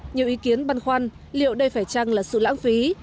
nhiều ý kiến băn khoăn liệu đây phải chăng là sự lãng phí